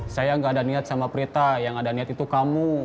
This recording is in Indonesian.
saya gak ada niat sama prita yang ada niat itu kamu